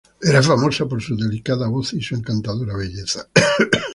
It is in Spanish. Era famosa por su delicada voz y su encantadora belleza.